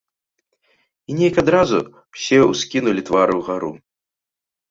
І нейк адразу ўсе ўскінулі твары ўгару.